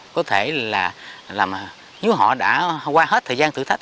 có thể là nếu họ đã qua hết thời gian thử thách